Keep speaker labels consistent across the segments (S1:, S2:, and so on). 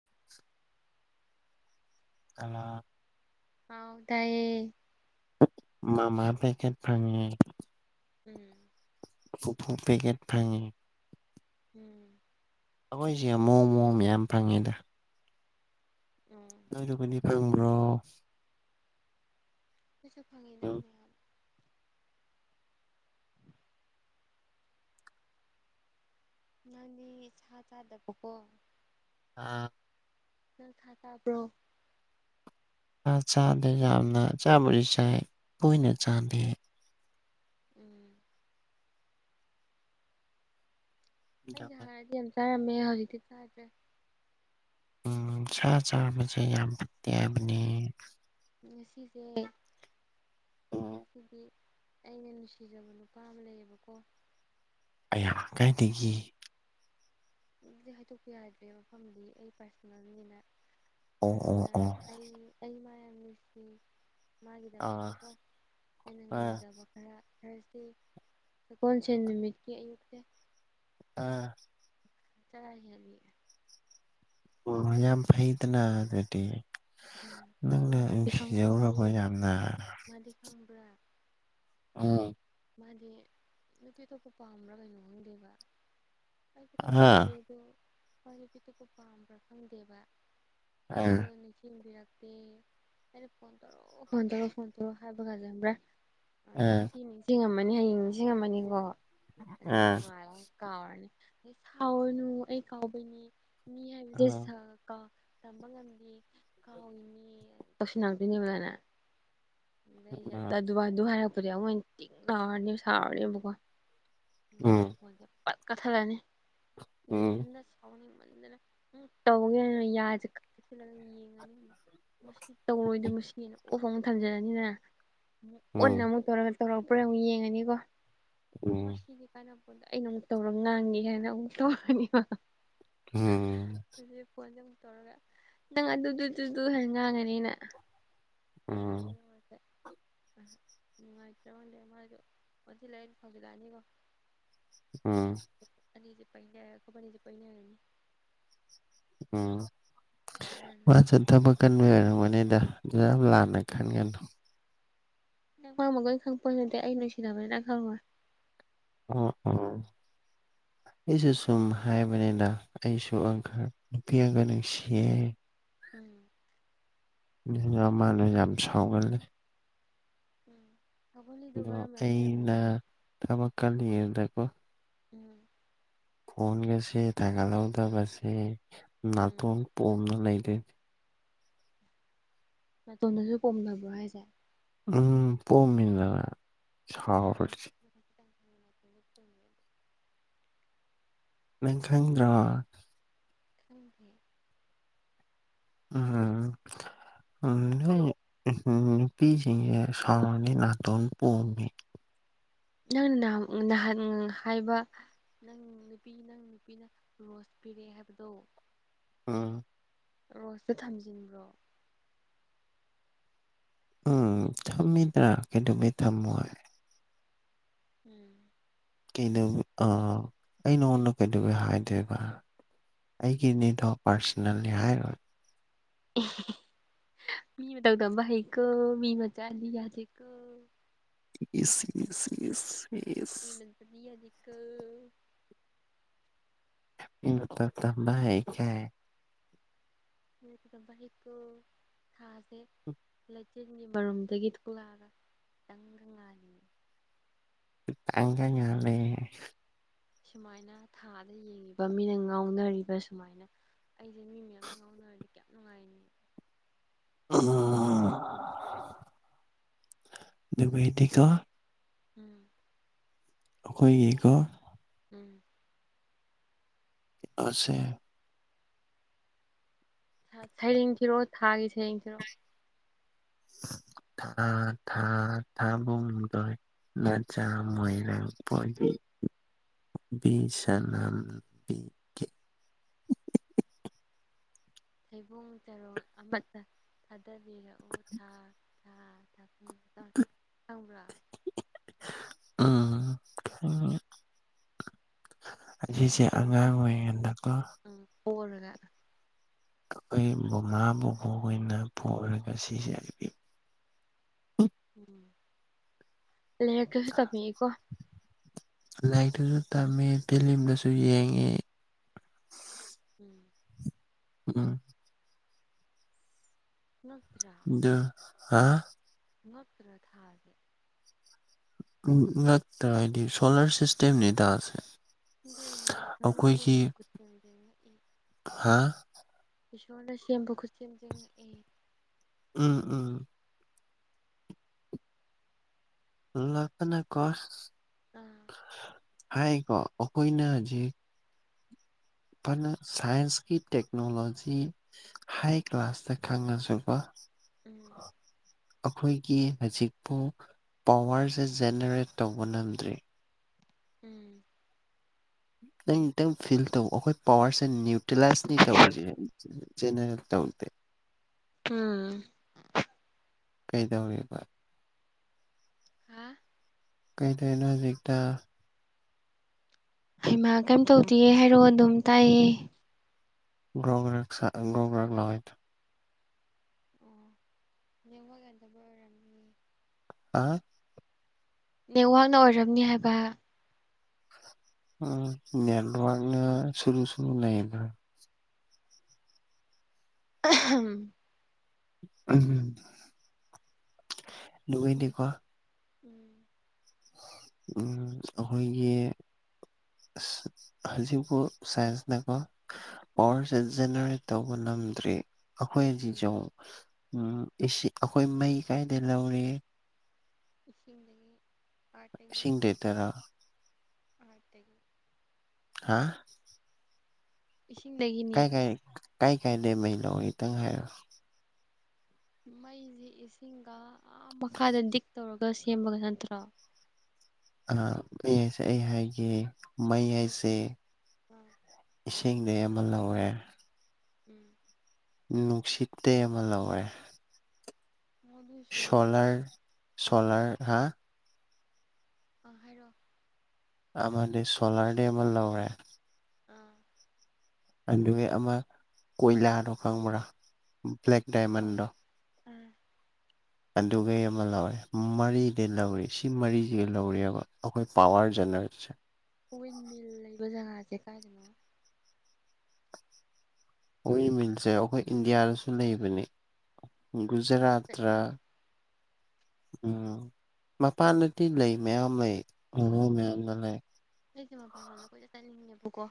S1: [unintelligible] ꯀꯅꯥ
S2: ꯍꯥꯎ ꯇꯥꯏꯌꯦ
S1: ꯃꯃꯥ ꯄꯦꯀꯦꯠ ꯐꯪꯉꯦ
S2: ꯎꯝ
S1: ꯄꯨꯄꯨ ꯄꯦꯀꯦꯠ ꯐꯪꯉꯦ
S2: ꯎꯝ
S1: ꯑꯩꯈꯣꯏꯁꯦ ꯃꯑꯣꯡ ꯃꯑꯣꯡꯅ‌ꯦ ꯃꯌꯥꯝ ꯐꯪꯉꯦꯗ
S2: ꯎꯝ
S1: ꯅꯣꯏꯗꯨꯒꯗꯤ ꯐꯪꯕ꯭ꯔꯣ
S2: ꯑꯩꯈꯣꯏꯁꯨ
S1: ꯅꯪ
S2: ꯅꯪꯗꯤ ꯁꯥ ꯆꯥꯗꯕꯀꯣ
S1: ꯑꯥ
S2: ꯅꯪ ꯁꯥ ꯆꯥꯕ꯭ꯔꯣ
S1: ꯑ ꯆꯥꯗꯦ ꯌꯥꯝꯅ ꯆꯥꯕꯨꯗꯤ ꯆꯥꯏ ꯇꯣꯏꯅ ꯆꯥꯗꯦ
S2: ꯎꯝ ꯑꯩꯩꯁꯨ ꯍꯥꯟꯅꯗꯤ ꯌꯥꯝ ꯆꯥꯔꯝꯃꯦ ꯍꯧꯖꯤꯛꯇꯤ ꯆꯥꯗ꯭ꯔꯦ
S1: ꯎꯝ ꯁꯥ ꯆꯥꯕꯁꯦ ꯌꯥꯝ ꯐꯠꯇꯦ ꯍꯥꯏꯕꯅꯦ
S2: ꯉꯁꯤꯁꯦ ꯉꯁꯤꯗꯤ ꯑꯩꯅ ꯅꯨꯡꯁꯤꯖꯕ ꯅꯨꯄꯥ ꯑꯃ ꯂꯩꯌꯦꯕꯀꯣ
S1: ꯑꯌꯥ ꯀꯥꯏꯗꯒꯤ
S2: ꯑꯗꯨꯗꯤ ꯍꯥꯏꯗꯣꯛꯄ ꯌꯥꯗ꯭ꯔꯦ ꯃꯐꯝꯗꯤ ꯑꯩ ꯄꯥꯔꯁꯅꯦꯜꯅꯤꯅ
S1: ꯑꯣ ꯑꯣ
S2: ꯑꯗꯨꯅ
S1: ꯑꯣ
S2: ꯑꯩ ꯑꯩ ꯃꯥ ꯌꯥꯝ ꯅꯨꯡꯁꯤ
S1: ꯑꯥ
S2: ꯃꯥꯒꯤꯗꯃꯛꯇꯀꯣ ꯑꯩꯅ
S1: ꯑꯥ
S2: ꯉꯝꯖꯕ ꯈꯔ ꯊꯥꯔꯁꯗꯦ ꯁꯒꯣꯜꯁꯦꯟ ꯅꯨꯃꯤꯠꯀꯤ ꯑꯌꯨꯛꯇ
S1: ꯑꯥ
S2: ꯆꯔꯥ ꯍꯦꯟꯂꯤ
S1: ꯑꯣ ꯌꯥꯝ ꯐꯩꯗꯅ ꯑꯗꯨꯗꯤ
S2: ꯎꯝ ꯑꯗꯣ
S1: ꯅꯪꯅ
S2: ꯃꯥꯗꯤ
S1: ꯅꯨꯡꯁꯤꯖꯔꯨꯔꯕꯣ
S2: ꯈꯪꯕꯤꯗꯦ
S1: ꯌꯥꯝꯅ
S2: ꯃꯥꯗꯤ ꯈꯪꯕ꯭ꯔ
S1: ꯑꯥ
S2: ꯃꯥꯗꯤ ꯅꯨꯄꯤ ꯑꯇꯣꯞꯄ ꯄꯥꯝꯕ꯭ꯔꯥ ꯀꯩꯅꯣ ꯈꯪꯗꯦꯕ ꯑꯩꯁꯨ ꯀꯩꯝ
S1: ꯑꯥ
S2: ꯍꯥꯏꯗꯦ ꯑꯗꯣ ꯃꯥ ꯅꯨꯄꯤ ꯑꯇꯣꯞꯄ ꯄꯥꯝꯕ꯭ꯔꯥ ꯈꯪꯗꯦꯕ
S1: ꯑꯥ
S2: ꯑꯩꯗꯣ ꯅꯤꯡꯁꯤꯡꯕꯤꯔꯛ ꯇꯦ ꯑꯩꯅ ꯐꯣꯟ ꯇꯧꯔꯛꯑꯣ ꯐꯣꯟ ꯇꯧꯔꯛꯑꯣ ꯐꯣꯟ ꯇꯧꯔꯛ ꯑꯣ ꯍꯥꯏꯕꯀꯥꯟꯗ ꯈꯪꯕ꯭ꯔꯥ ꯑ
S1: ꯑꯥ
S2: ꯉꯁꯤ ꯅꯤꯡꯁꯤꯡꯉꯝꯃꯅꯤ ꯍꯌꯦꯡ ꯅꯤꯡꯁꯤꯡꯉꯝꯃꯅꯤꯀꯣ ꯑꯗꯨꯗꯤ
S1: ꯑꯥ
S2: ꯅꯣꯡꯉꯥꯜꯂꯒ ꯀꯥꯎꯔꯅꯤ ꯑꯩ ꯁꯥꯎꯔꯅꯨ ꯑꯩ ꯀꯥꯎꯕꯩꯅꯤ ꯃꯤ ꯍꯥꯏꯕꯁꯦ
S1: ꯑꯥ
S2: ꯁꯥꯎ ꯀꯥꯎ ꯇꯝꯕ ꯉꯝꯗꯦ ꯀꯥꯎꯔꯤꯅꯦ ꯇꯧꯁꯟꯅꯔꯛꯇꯣꯏꯅꯦꯕ ꯗꯥꯏꯅ ꯑꯗꯨꯗꯩ ꯑꯩꯁ‌ꯦ ꯑꯗꯨ ꯍꯥꯏꯔꯛꯄꯗꯩ ꯑꯃꯨꯛ ꯍ‌ꯦꯟꯅ ꯇꯤꯡ ꯂꯥꯎꯔꯅꯦ ꯁꯥꯥꯎꯔꯅꯦꯕꯀꯣ ꯑꯗꯩ ꯑꯩꯅ ꯐꯣꯟꯁꯦ ꯄꯠ ꯀꯛꯊꯠꯂꯅꯤ ꯑꯗꯨꯗ ꯏꯊꯟꯇ ꯁꯥꯎ ꯅꯤꯡꯃꯟꯗꯅ ꯎ ꯇꯧꯒꯦꯅ ꯌꯥꯁꯦ ꯀꯛꯁꯤꯜꯂꯒ ꯌꯦꯡꯉꯅꯤ ꯃꯁꯤ ꯇꯧꯔꯣꯏꯗ ꯃꯁꯤꯅ ꯑꯣꯐ ꯑꯃꯨꯛ ꯊꯝꯖꯜꯂꯅꯤꯗꯅ ꯑꯃꯨꯛ ꯑꯣꯟ ꯑꯃꯨꯛ ꯇꯧꯔ ꯇꯧꯔꯛꯄ꯭ꯔꯥ ꯑꯃꯨꯛ ꯌꯦꯡꯉꯅꯤꯀꯣ ꯎꯝ ꯃꯁꯤꯗꯤ ꯀꯥꯟꯅꯄ‌ꯣꯟꯇꯦ ꯑꯩꯅ ꯑꯃꯨꯛ ꯇꯧꯔꯒ ꯉꯥꯡꯒꯦ ꯍꯥꯏꯅ ꯑꯃꯨꯛ ꯇꯧꯔꯅꯤꯕ
S1: ꯎꯝ
S2: ꯑꯗꯨ ꯐꯣꯟꯁꯦ ꯑꯃꯨꯛ ꯇꯧꯔꯒ ꯅꯪ ꯑꯗꯨꯗꯨꯗꯨꯗꯨ ꯍꯥꯏꯅ ꯉꯥꯡꯉꯅꯤꯅ
S1: ꯑꯥ
S2: [inaudible] ꯅꯨꯡꯉꯥꯏꯇ꯭ꯔꯉꯗꯦ ꯃꯥꯗꯣ ꯑꯣ ꯂꯩꯩꯅ ꯐꯧꯖꯤꯜꯂꯛꯑꯅꯤꯀꯣ
S1: ꯑꯥ
S2: ꯅꯤ ꯆ ꯄꯅꯕꯅꯤ ꯆ ꯄꯩꯅꯅꯅꯤ
S1: ꯎ
S2: ꯑꯗ ꯃꯥꯅ
S1: ꯃꯥꯁ ꯊꯕꯛ ꯀꯟꯕꯔ ꯃꯅꯤꯗ ꯌꯥ ꯂꯅ ꯈꯟꯒꯅ
S2: ꯅꯪ ꯈꯋꯥ ꯃꯈꯒꯣꯏ ꯈꯪꯛꯄ ꯅꯠꯇꯦ ꯑꯩ ꯅꯨꯡꯁꯤꯅꯕꯅꯤꯅꯪ ꯈꯪꯔꯣꯏ
S1: ꯑꯣ ꯑꯣ ꯑꯩꯁꯨ ꯁꯨꯝ ꯍꯥꯏꯕꯅꯦꯗ ꯑꯩꯁꯨ ꯑꯪꯀ ꯅꯨꯄꯤ ꯑꯪꯀ ꯅꯨꯡꯁꯤꯌꯦ
S2: ꯎꯝ
S1: ꯑꯅ ꯃꯥꯅ ꯌꯥꯝ ꯁꯥꯎꯒꯜꯂꯤ
S2: ꯎꯝ ꯊꯧꯒꯜꯂꯤꯗꯣ
S1: ꯑꯗꯣ
S2: ꯃꯔꯝ ꯌꯥꯝ
S1: ꯑꯩꯅ
S2: ꯂꯩꯔꯝꯒꯅꯤ
S1: ꯊꯕꯛꯀ ꯍꯦꯔꯗꯀꯣ
S2: ꯎꯝ
S1: ꯐꯣꯟꯒꯁꯦ ꯊꯥꯡꯒꯠꯍꯧꯗꯕꯁꯦ
S2: ꯎꯝ
S1: ꯅꯥꯇꯣꯟ ꯄꯣꯝꯅ ꯂꯩꯗꯣꯏꯅꯦ
S2: ꯃꯇꯣꯝꯗꯁꯨ ꯀꯣꯝꯕ꯭ꯔꯣ ꯍꯥꯏꯁꯦ
S1: ꯎꯝ ꯄꯣꯝꯃꯤꯗꯅ ꯁꯥꯎꯔꯣꯏꯁꯤ ꯅꯈꯪꯗ꯭ꯔ
S2: ꯑꯗꯨꯨꯡꯗꯤ
S1: ꯎꯝ ꯑ ꯎ ꯅꯨ ꯄ ꯁꯅꯤ ꯅꯅꯥꯇꯣꯟ ꯄꯃꯤ
S2: ꯅꯪꯅ ꯅꯍ ꯍꯥꯏꯕ ꯅꯪ ꯅꯨꯄꯤ ꯅ ꯅꯨꯄꯤꯅ ꯔꯣꯁ ꯄꯤꯔꯛꯑꯦ ꯍꯥꯏꯕꯗꯣ
S1: ꯎꯝ
S2: ꯔꯣꯁꯇ ꯊꯝꯖꯤꯟꯕ꯭ꯔꯣ
S1: ꯎꯝ ꯊꯝꯃꯦꯗ꯭ꯔ ꯀꯦꯗꯕꯨ ꯊꯝꯃ
S2: ꯎꯝ
S1: ꯀꯩꯗ ꯑꯥ ꯑꯩ ꯅꯉꯣꯟꯗ ꯀꯩꯗꯧꯋꯤ ꯍꯥꯏꯗꯣꯏꯕ ꯑꯩꯒꯤꯅꯤꯗꯣ ꯄꯥꯔꯁꯣꯅꯦꯜꯂꯤ ꯍꯥꯏꯔꯣꯏ
S2: ꯃꯤ ꯃ ꯇ ꯑꯣꯗꯕ ꯍ ꯀ ꯃꯤ ꯃꯆꯥ ꯂꯤ ꯌꯥꯗ ꯀ
S1: ꯏꯁꯤ ꯏ ꯏ
S2: ꯍ ꯃꯄꯕꯤ ꯑꯗꯤꯀ
S1: ꯎ ꯇ ꯊꯝꯕ ꯍ ꯀ
S2: ꯀꯩꯅꯕ ꯍꯛꯇꯣ ꯊꯥꯁꯦ ꯂꯥꯏꯛ ꯆꯤꯟꯒꯤ ꯃꯔꯨꯝꯗꯒꯤ ꯊꯣꯛꯂꯛꯑꯒ ꯈꯤꯇꯪꯗꯪ ꯂꯥꯜꯂꯤꯅꯤ
S1: ꯇꯥꯡꯒ ꯌꯥꯂꯦ
S2: ꯁꯨꯃꯥꯏꯅ ꯊꯥꯗ ꯌꯦꯡꯉꯤꯕ ꯃꯤꯅ ꯉꯥꯎꯅꯔꯤꯕ ꯁꯨꯃꯥꯏꯅ ꯑꯩꯁꯦ ꯃꯤ ꯃꯌꯥꯝꯅ ꯉꯥꯎꯅꯔꯗꯤ ꯀꯌꯥ
S1: ꯑ ꯃꯦꯗꯤꯀꯥ
S2: ꯎꯝ
S1: ꯑꯩꯈꯣꯏꯒꯤꯀꯣ
S2: ꯎꯝ
S1: ꯁꯦ
S2: ꯁꯩꯔꯦꯡ ꯊꯤꯔꯣꯑꯣ ꯊꯥꯒꯤ ꯁꯩꯔꯦꯡ ꯊꯤꯔꯣꯑꯣ
S1: ꯊ ꯊꯥ ꯊꯥꯕ ꯇ ꯅ ꯆ ꯃꯣꯏꯔ ꯕꯤ ꯁꯅꯥꯝꯕꯤ
S2: ꯍꯩꯕꯨꯡ ꯆꯔꯣꯡ ꯑꯃꯇ ꯊꯥꯗꯕꯤꯔꯛꯎ ꯊꯥ [unintelligible] ꯈꯪꯕ꯭ꯔꯥ
S1: ꯎꯝ ꯑꯁꯤꯁꯦ
S2: ꯇꯨꯡꯗ
S1: ꯑꯉꯥꯡ ꯑꯣꯏꯔꯤꯉꯩꯗꯀꯣ
S2: ꯎꯝ ꯑꯣꯔꯒ
S1: ꯑꯩꯈꯣꯏ ꯃꯃꯥ ꯕꯣꯛ ꯈꯣꯏꯅ ꯄꯛꯣꯔꯒ ꯁꯤꯈꯤ ꯍꯥꯏꯕꯤ
S2: ꯎ ꯂꯥꯏꯔꯤꯛꯀꯁꯨ ꯇꯥꯛꯄꯤꯒꯦꯀꯣ
S1: ꯂꯥꯏꯛꯇꯁꯨ ꯇꯝꯃꯦ ꯐꯤꯂꯤꯝꯗꯁꯨ ꯌꯦꯡꯉꯤ
S2: ꯎꯝ
S1: ꯎꯝ
S2: ꯉꯛꯇ꯭ꯔꯥ
S1: ꯗꯨ ꯍꯥ
S2: ꯉꯛꯇ꯭ꯔ ꯊꯥꯥꯁꯦ
S1: ꯎꯝ ꯉꯥꯛꯇ꯭ꯔ ꯍꯥꯏꯗꯤ ꯁꯣꯂꯔ ꯁꯤꯁꯇꯦꯝꯅꯤ ꯁꯦ
S2: ꯑꯗꯨꯅꯦ ꯀꯃꯥꯏꯅ ꯁꯦꯝꯕ ꯈꯨꯠꯁꯦꯝꯅꯣ ꯉꯛꯑꯦ
S1: ꯍꯥ
S2: ꯏꯁꯣꯔꯅ ꯁꯦꯝꯕ ꯈꯨꯠꯁꯦꯝꯁꯤꯉꯛꯏ
S1: ꯎꯝ ꯎꯝ ꯉꯛꯄꯅ ꯀꯣꯁ
S2: ꯑꯥ
S1: ꯍꯥꯏꯀꯣ ꯑꯩꯈꯣꯏꯅ ꯖꯤꯛ ꯐꯅ ꯁꯥꯏꯟꯁꯀꯤ ꯇꯦꯛꯅꯣꯂꯣꯖꯤ ꯍꯥꯏ ꯀ꯭ꯂꯥꯁꯇ ꯈꯪꯉꯁꯨꯀꯣ
S2: ꯎꯝ
S1: ꯑꯩꯈꯣꯏꯒꯤ ꯍꯧꯖꯤꯛꯄꯨ ꯄꯋꯥꯔꯁꯦ ꯖꯦꯅꯦꯔꯦꯠ ꯇꯧꯕ ꯉꯝꯗ꯭ꯔꯤ
S2: ꯎꯝ
S1: ꯇꯪ ꯈꯤꯇꯪ ꯐꯤꯜ ꯇꯧ ꯑꯩꯈꯣꯏ ꯄꯋꯥꯔꯁꯦ ꯅ꯭ꯌꯨꯇ꯭ꯔꯤꯂꯥꯏꯁ
S2: ꯎꯝ
S1: [unintelligible] ꯀꯩꯗꯧꯔꯤꯕ
S2: ꯍꯥꯥ
S1: ꯀꯩꯗꯣꯔꯤꯅꯣ ꯍꯧꯖꯤꯛꯇ
S2: ꯍꯩꯃꯥ ꯀꯩꯝ ꯇꯧꯗꯦ ꯍꯥꯏꯔꯑꯣ ꯑꯗꯨꯝ ꯇꯥꯏꯑꯦ
S1: [unintelligible]
S2: ꯑꯣ ꯅꯦꯠꯋꯛꯌꯗꯕ ꯑꯣꯏꯔꯝꯅꯤ
S1: ꯍꯥ
S2: ꯅꯦꯠꯋꯥꯡꯅ ꯑꯣꯏꯔꯝꯅꯤ ꯍꯥꯏꯕ
S1: ꯎꯝ ꯅꯦꯠꯋꯥꯔꯛꯅ ꯁꯨꯔꯨ ꯁꯨꯔꯨ ꯅꯩꯕ꯭ꯔꯥ
S2: ꯑꯍꯝ
S1: ꯎꯝ ꯂꯨꯋꯤꯅꯦꯀꯣ
S2: ꯎꯝ
S1: ꯎꯝ ꯑꯩꯈꯣꯏꯒꯤ ꯍꯧꯖꯤꯕꯨ ꯁꯥꯏꯟꯁꯅꯀꯣ
S2: ꯎꯝ
S1: ꯄꯋꯥꯔꯁꯦ ꯖꯦꯅꯦꯔꯦꯠ ꯇꯧꯕ ꯅꯝꯗ꯭ꯔꯤ
S2: ꯎꯝ
S1: ꯑꯩꯈꯣꯏꯖꯤꯖꯧ ꯎꯝ ꯑꯦꯁꯤ- ꯑꯩꯈꯣꯏ ꯃꯩ ꯀꯥꯏꯗ ꯂꯧꯔꯤ
S2: ꯏꯁꯤꯡꯗꯒꯤ
S1: ꯏꯁꯤꯡꯗꯒꯤ ꯗꯥꯔꯥ
S2: ꯑꯔꯠꯇꯒꯤ
S1: ꯍꯥ
S2: ꯏꯁꯤꯡꯗꯒꯤ
S1: ꯀꯥꯏ ꯀꯥꯏ ꯀꯥꯏ ꯀꯥꯏꯗꯦ ꯃꯩꯩꯅꯣ ꯈꯤꯇꯪ ꯍꯥꯏꯔ
S2: ꯃꯩꯁꯤꯦ ꯏꯁꯤꯡꯒ ꯃꯈꯥꯗ ꯗꯤꯛ ꯇꯧꯔꯒ ꯁꯦꯝꯕꯒ ꯅꯠꯇ꯭ꯔꯣ
S1: ꯑ ꯑꯩ ꯍꯥꯏꯁꯦ ꯑꯩ ꯍꯥꯏꯒꯦ ꯃꯩ ꯍꯥꯏꯁꯦ
S2: ꯑꯥ
S1: ꯏꯁꯤꯡꯗꯒꯤ ꯑꯃ ꯂꯧꯔꯦ
S2: ꯎꯝ
S1: ꯅꯨꯡꯁꯤꯠꯇ ꯑꯃ ꯂꯧꯔꯦ
S2: ꯑꯣ ꯑꯗꯨ ꯁꯣꯂꯔꯅꯤ
S1: ꯁꯣꯂꯔ ꯁꯣꯂꯔ ꯍꯥ
S2: ꯑꯥ ꯍꯥꯏꯔꯛꯑꯣ
S1: ꯑꯗꯤ ꯁꯣꯂꯔꯗꯤ ꯑꯃ ꯂꯧꯔꯦ
S2: ꯑꯥ
S1: ꯑꯗꯨꯒꯤ ꯑꯃ ꯀꯣꯏꯂꯥꯗꯣ ꯈꯪꯕ꯭ꯔꯥ ꯕ꯭ꯂꯦꯛ
S2: ꯑꯥ
S1: ꯗꯥꯏꯃꯟꯗꯣ
S2: ꯑꯥ
S1: ꯑꯗꯨꯩ ꯑꯃ ꯂꯧꯔꯦ ꯃꯔꯤꯗꯩ ꯂꯧꯔꯤ ꯁꯤ ꯃꯔꯤꯁꯤꯒ ꯂꯧꯔꯤꯑꯕ ꯑꯩꯈꯣꯏ ꯄꯋꯥꯔ ꯖꯦꯅꯦꯔꯦꯠꯁꯦ
S2: ꯀꯋꯤꯟ ꯃꯤꯜ ꯂꯩꯕ ꯖꯒꯥꯁꯦ ꯀꯥꯏꯗꯅꯣ
S1: ꯑꯣꯏꯜ ꯃꯤꯜꯁꯦ ꯑꯩꯈꯣꯏ ꯏꯟꯗꯤꯌꯥꯗꯁꯨ ꯂꯩꯕꯅꯤ
S2: ꯑꯩꯁꯦ
S1: ꯨꯖꯔꯥꯠ ꯔ
S2: ꯆꯠꯅꯤꯡꯉꯦ
S1: ꯎꯝ ꯃꯄꯥꯟꯗꯗꯤ ꯂꯩ ꯃꯌꯥꯝ ꯂꯩ ꯃꯌꯥꯝꯅ ꯂꯩ
S2: ꯑꯩꯁꯦ ꯃꯄꯥꯟ ꯂꯣꯗ ꯀꯣꯏꯅ ꯆꯠꯅꯤꯡꯉꯦꯕꯀꯣ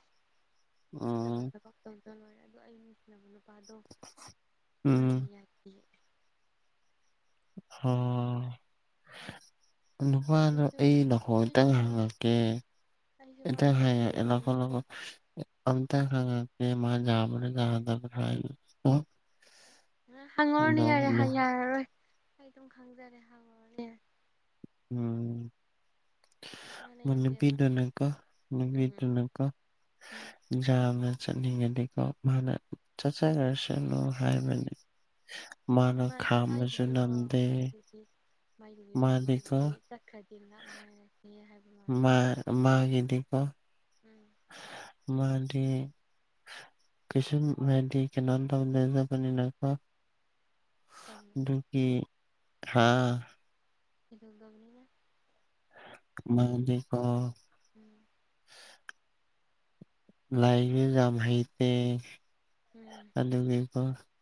S2: ꯐꯖ ꯐ
S1: ꯎꯝ
S2: ꯐꯠꯇꯕ ꯇꯧꯗ ꯂꯣꯏꯔꯦ ꯑꯗꯣ ꯑꯩ ꯅꯨꯡꯁꯤꯅꯕ ꯅꯨꯄꯥꯗꯣꯃꯥꯟꯅ
S1: ꯎꯝ
S2: ꯌꯥꯗꯦ
S1: ꯑꯣ ꯅꯨꯄꯥꯗꯣ
S2: ꯑꯩꯁꯨ
S1: ꯑꯩ
S2: ꯑꯩꯁꯨ
S1: ꯅꯈꯣꯡꯇꯪ
S2: ꯃꯥ
S1: ꯍꯪꯉꯛꯀꯦ
S2: ꯑꯩꯁꯨ ꯃꯥ
S1: ꯑꯦꯇ ꯍꯌꯦ
S2: ꯅꯨꯡꯁꯤꯔꯨꯕꯅꯤꯅꯀꯣ
S1: ꯂꯧ ꯑꯝꯇ ꯈꯉꯦ ꯃꯥ ꯌꯥꯕ ꯌꯥꯗꯔ
S2: ꯍꯪꯉꯨꯔꯅꯦ ꯌꯥꯔꯦ
S1: ꯅꯣ
S2: ꯌꯥꯔꯔꯣꯏ ꯑꯩ ꯑꯗꯨꯝ ꯈꯪꯖꯔꯦ ꯍꯪꯉꯨꯔꯅꯦ ꯌꯥꯔꯦ
S1: ꯎꯝ
S2: ꯃꯥꯅ ꯌꯥꯗꯦꯕ
S1: ꯃꯅꯕꯤꯗꯅꯀ
S2: ꯎꯝ
S1: ꯃꯅꯕꯤꯗꯅꯀ
S2: ꯎꯝ
S1: ꯌꯥꯝꯅ ꯆꯠꯅꯤꯡꯉꯗꯤꯀꯣ ꯃꯥꯅ ꯆꯠꯆꯈ꯭ꯔꯁꯅꯨ ꯍꯥꯏꯕꯅꯤ ꯍ
S2: ꯊꯒꯤꯗꯤꯀꯣ ꯃꯒꯤꯗꯤ ꯃꯥꯒꯤꯗꯤ
S1: ꯃꯥꯗꯤꯀꯣ
S2: ꯃꯥꯒꯤꯗꯤ ꯆꯛꯈ꯭ꯔꯗꯤ ꯂꯥꯞꯅꯔꯅꯤ ꯍꯥꯏꯕ ꯃꯥꯦ
S1: ꯃꯥ ꯃꯥꯒꯤꯤꯗꯤꯀ
S2: ꯎꯝ
S1: ꯃꯥꯗꯤ ꯀꯩꯁ ꯃꯗꯤ ꯀꯅꯥꯗꯅꯤ ꯅꯀ
S2: ꯆꯝ
S1: ꯑꯗꯨꯒꯤ ꯍꯥꯥ
S2: ꯁꯤꯗꯕꯅ
S1: ꯃꯗꯤꯀꯣ
S2: ꯎꯝ
S1: ꯂꯥꯏꯖꯝ ꯍꯥꯏꯩ
S2: ꯎꯝ
S1: ꯀꯒꯕ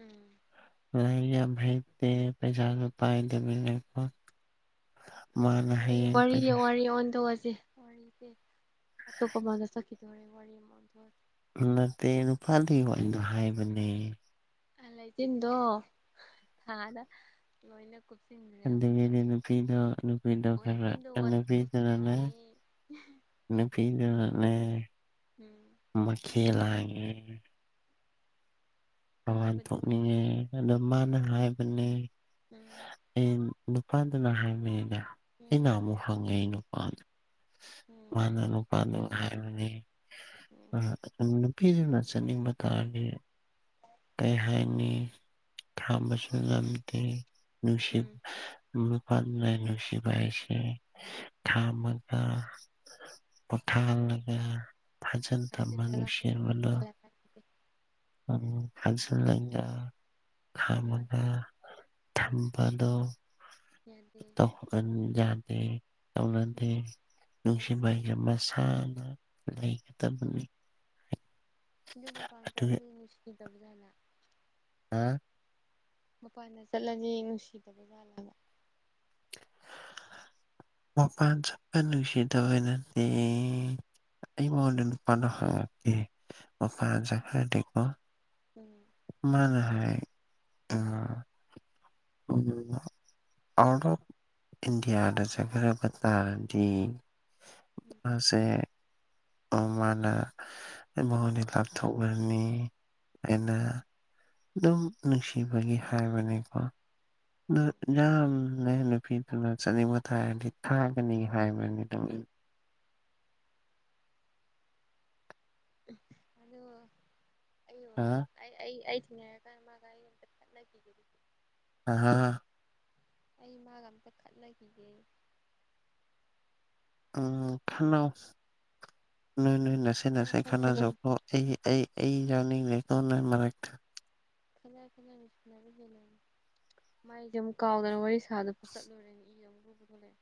S2: ꯎꯝ
S1: ꯌꯥꯝꯦꯖ ꯄꯖ ꯔꯨꯄꯥ ꯂꯩꯃꯤꯅꯦꯣ
S2: ꯋꯥꯔꯤ ꯋꯥꯔꯤꯒꯤ
S1: ꯄꯩꯁꯥ
S2: ꯋꯥꯔꯤ ꯑꯣꯟꯊꯣꯛꯑꯁꯤꯦ ꯋꯥꯔꯤꯦ ꯑꯇꯣꯞꯄ ꯃꯅ ꯁ ꯀꯤꯗꯧꯔꯦ ꯋꯥꯔꯤ ꯑꯣꯟꯊꯣꯛꯑꯁꯦ
S1: ꯅꯠꯇꯦ ꯅꯨꯄꯥꯗꯨ ꯋꯥꯔꯤꯗꯣ ꯍꯥꯏꯕꯅꯦ
S2: ꯂꯩꯆꯤꯟꯗꯣ ꯍꯥꯟꯅ ꯂꯣꯏꯅ ꯀꯨꯞ
S1: ꯑꯗꯤ ꯅꯨꯄꯤꯗ ꯅꯨꯄꯤꯗ ꯈꯔ
S2: ꯂꯩꯆꯤꯟꯗꯣ
S1: ꯅꯨꯄꯤꯗꯅꯅꯦ
S2: ꯀꯨꯞꯁꯤꯟꯈ꯭ꯔꯦ
S1: ꯐꯤꯗꯅꯦ
S2: ꯎꯝ
S1: ꯃꯈꯦꯜ ꯂꯥꯡꯉꯦ
S2: ꯀꯩ
S1: ꯃꯃꯥꯟ
S2: ꯍꯥꯏꯕꯗꯨꯅ
S1: ꯊꯣꯛꯅꯤꯡꯉꯦ ꯑꯗꯣ ꯃꯥꯅ ꯍꯥꯏꯕꯅꯦ
S2: ꯎꯝ
S1: ꯑꯩ ꯅꯨꯄꯥꯗꯨꯅ ꯍꯥꯏꯕꯅꯤꯗ
S2: ꯎꯝ
S1: ꯑꯩꯅ
S2: ꯎꯝ
S1: ꯑꯃꯨꯛ ꯍꯪꯉꯦ ꯑꯩ ꯅꯨꯄꯥꯗ
S2: ꯎꯝ
S1: ꯃꯥꯅ ꯅꯨꯄꯥꯅꯨ ꯍꯥꯏꯕꯅꯤ
S2: ꯎꯝ
S1: ꯑ ꯄꯤꯗꯨꯅ ꯆꯠꯅꯤꯡꯕ ꯇꯥꯔꯒ ꯀꯩ ꯍꯥꯏꯅꯤ ꯈꯥꯝꯕꯁꯨ ꯉꯝꯗꯦ ꯅꯨꯡꯁꯤꯠ
S2: ꯎꯝ
S1: ꯅꯨ ꯐ ꯂꯅꯨꯡꯁꯤꯕꯥꯏꯁꯦ
S2: ꯎꯝ
S1: ꯊꯃ ꯄꯣꯊꯥꯂꯒ ꯐꯥꯖꯜ ꯊꯝꯕ
S2: ꯍꯥꯖꯤꯜꯂꯒ ꯍꯌꯦꯡ
S1: ꯅꯨꯡꯁꯤꯕꯗꯣ
S2: ꯐꯥꯜꯂꯒ
S1: ꯎꯝ ꯐꯁꯨ
S2: ꯎꯝ
S1: ꯈꯥꯃꯗ
S2: ꯎꯝ
S1: ꯊꯝꯕꯗꯣ
S2: ꯌꯥꯗꯦ
S1: ꯇꯧ ꯦ ꯇꯧꯅꯥꯗꯤꯦ
S2: ꯎꯝ
S1: ꯅꯨꯡꯁꯤ
S2: ꯎꯝ
S1: ꯍꯥꯏ ꯃꯁꯥꯅ ꯂꯩꯒꯗꯕꯅꯤ
S2: ꯑꯗꯨ ꯃ
S1: ꯑꯗꯨꯒ
S2: ꯄꯥꯝꯖꯔꯗꯤ ꯏꯁꯤꯇꯤꯗ ꯖꯥꯠꯅ
S1: ꯍꯥ
S2: ꯃꯄꯥꯟꯗ ꯆꯠꯂꯁ ꯅꯨꯡꯁꯤꯗꯕ ꯖꯥꯠꯂꯥ
S1: ꯃꯄꯥꯟ ꯆꯄ ꯅꯨꯡꯁꯤꯗꯕ ꯅꯗꯤ ꯑꯩ ꯃ ꯄꯗ ꯃ ꯄꯥꯖ ꯀꯀ
S2: ꯎꯝ
S1: ꯃꯥꯅ ꯍꯥꯏ ꯍ ꯑꯥꯎꯠ ꯑꯣꯐ ꯏꯟꯗꯤꯌꯥꯗ ꯆꯠꯈꯕ ꯇꯥꯔꯗꯤ
S2: ꯎꯝ
S1: ꯑꯁꯦ ꯃꯥꯅ ꯃꯉꯣꯟꯗꯤ ꯂꯥꯞꯊꯣꯛꯅꯅꯤ ꯍꯥꯏꯅ ꯑꯗꯨꯝ ꯅꯨꯡꯁꯤꯕꯒꯤ ꯍꯥꯏꯕꯅꯤꯀꯣ ꯑꯗꯨ ꯌꯥꯝꯅ ꯅꯨꯄꯤꯗꯨꯅ ꯆꯥꯅꯤꯡꯕ ꯊꯥꯔꯗꯤ ꯊꯥꯒꯅꯤ ꯍꯥꯏꯕꯅꯤ ꯑꯗꯨꯃꯤ
S2: ꯑꯗ
S1: ꯍꯥ
S2: ꯑꯩ ꯑꯩ ꯑꯩ ꯊꯦꯡꯅꯔꯀꯥꯟ ꯃꯥꯒ ꯑꯩꯇ ꯆꯠꯅꯈꯤ
S1: ꯍ ꯍ
S2: ꯑꯩ ꯃꯥꯒ ꯑꯝꯇ ꯈꯠꯅꯈꯤꯒꯦ
S1: ꯎ ꯈꯥꯟꯅꯕ ꯅꯣꯏ ꯅꯣꯏ ꯅꯁꯦ
S2: ꯈꯠꯅꯔ
S1: ꯅꯁꯦ
S2: ꯈꯠꯅꯔꯒ
S1: ꯈꯅꯥꯖꯧꯈ꯭ꯂꯣ ꯑꯩ ꯑꯩ ꯑꯩ ꯌꯥꯎꯅꯤꯡꯅꯦꯦ ꯀꯣꯟꯅ ꯃꯔꯛꯇ
S2: ꯀꯩꯅ ꯀꯩꯅꯁꯅꯕꯤꯅ ꯃꯥꯏꯁꯝ ꯀꯥꯎꯗꯅ ꯋꯥꯔꯤ ꯁꯥꯗꯨ ꯐꯥꯀꯠꯂꯨꯔꯦꯅꯦ ꯏ ꯑꯃꯨꯛ ꯂꯨꯕ ꯊꯣꯛꯂꯛꯑꯦ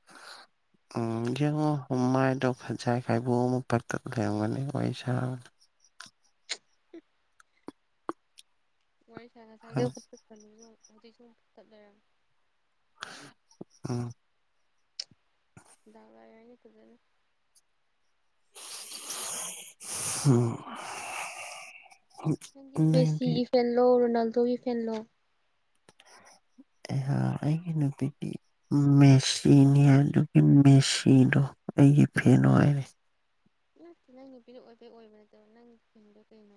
S1: [inaudible] ꯎꯝ ꯌꯦꯡꯉꯣ ꯍꯨꯃꯥꯏꯗꯧ ꯐꯖꯥꯏ ꯈꯥꯏꯕꯣꯛ ꯑꯃ ꯄꯇꯠ ꯂꯩꯔꯝꯒꯅꯤ ꯋꯥꯔꯤ ꯁꯥ
S2: ꯋꯥꯔꯤ ꯁ ꯉ ꯁꯥꯏꯅꯤꯁꯨ ꯍꯧꯖꯤꯛ ꯁ ꯇꯠ ꯂꯩꯔꯝꯃꯦ
S1: ꯎꯝ ꯑ
S2: ꯗꯥꯒꯥꯏꯅꯤ ꯐꯖꯅ
S1: ꯎꯝ
S2: ꯅꯪꯒꯤ
S1: ꯅꯪꯗꯤ
S2: ꯃꯦꯁꯤꯒꯤ ꯐꯦꯟꯂꯣ ꯔꯣꯅꯥꯜꯗꯣꯒꯤ ꯐꯦꯟꯂꯣ
S1: ꯑꯩꯍ ꯑꯩꯒꯤ ꯅꯨꯄꯤꯗꯤ ꯃꯦꯁꯤꯅꯤ ꯑꯗꯨꯒꯤ ꯃꯦꯁꯤꯗꯣ ꯑꯩꯒꯤ ꯐꯦꯟꯣ ꯍꯥꯏꯔꯦ
S2: ꯅ ꯅꯪꯒꯤ ꯄꯤꯔꯛꯕꯩ ꯑꯣꯏꯕ ꯅꯠꯇꯕ ꯅꯪꯒꯤ ꯀꯩꯅꯣꯗꯣ ꯀꯩꯅꯣ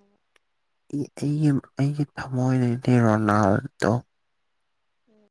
S1: ꯑꯩꯒꯤ ꯑꯩꯒꯤ ꯊꯃꯣꯏꯗꯗꯤ ꯔꯣꯅꯥꯜꯗꯣ
S2: ꯎꯝ